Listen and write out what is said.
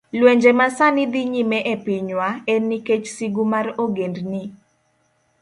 Lwenje ma sani dhi nyime e pinywa, en nikech sigu mar ogendni